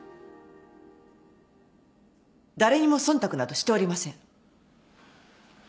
誰にも忖度などしておりません。